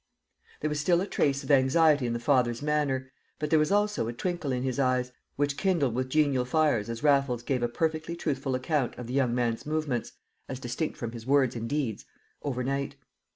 There was still a trace of anxiety in the father's manner, but there was also a twinkle in his eyes, which kindled with genial fires as Raffles gave a perfectly truthful account of the young man's movements (as distinct from his words and deeds) overnight.